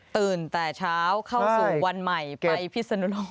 ตื่นแต่เช้าเข้าสู่วันใหม่ไปพิศนุโลก